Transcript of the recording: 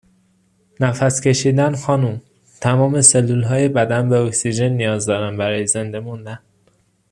نفس کشیدن خانم تمام سلولهای بدن به اکسیژن نیاز دارن برای زنده موندن